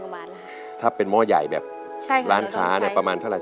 กว่าบาทถ้าเป็นหม้อใหญ่แบบใช่ค่ะร้านขาเนี่ยประมาณเท่าไหร่